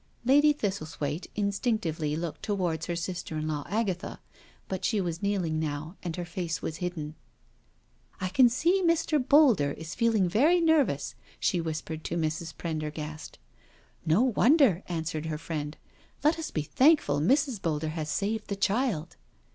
Lady Thistlethwaite instinctively looked towards her sister in law, Agatha, but she was kneeling now, and ber face was hidden. IN MIDDLEHAM CHURCH 195 " I can see Mr. Boulder is feeling very nervous/' she whispered to Mrs. Prendergast. " No wonder/' answered her friend. *' Let us be thankful Mrs. Boulder has saved the child."